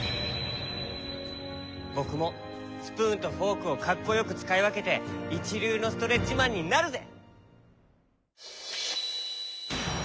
ぼくもスプーンとフォークをかっこよくつかいわけていちりゅうのストレッチマンになるぜ！